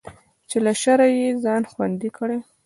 چې له شره يې ځان خوندي کړي.